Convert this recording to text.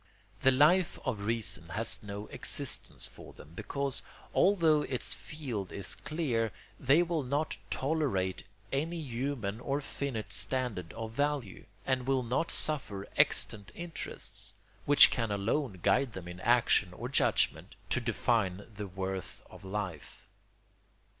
The Life of Reason has no existence for them, because, although its field is clear, they will not tolerate any human or finite standard of value, and will not suffer extant interests, which can alone guide them in action or judgment, to define the worth of life.